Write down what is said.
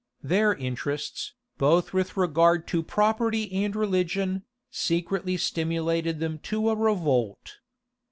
[] Their interests, both with regard to property and religion, secretly stimulated them to a revolt.